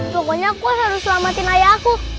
pokoknya aku harus selamatin ayah aku